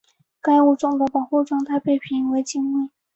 该物种的保护状况被评为近危。